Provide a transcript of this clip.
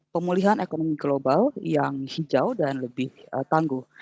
pemulihan ekonomi global yang hijau dan lebih tangguh